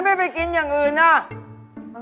เฮ่ยเฮ่ยเฮ่ยเฮ่ยเฮ่ยเฮ่ยเฮ่ย